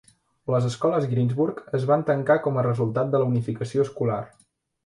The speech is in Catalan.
Les escoles Greensburg es van tancar com a resultat de la unificació escolar.